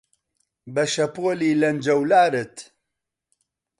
بە شەپۆلی لەنجەولارت